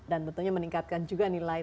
dan tentunya meningkatkan juga nilai